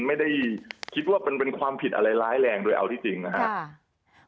ไม่ได้คิดว่าเป็นความผิดอะไรร้ายแรงโดยเอาที่จริงนะครับ